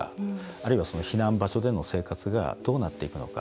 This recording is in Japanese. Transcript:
あるいは避難場所での生活がどうなっていくのか。